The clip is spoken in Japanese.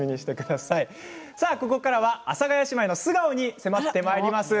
ここからは阿佐ヶ谷姉妹の素顔に迫ってまいります。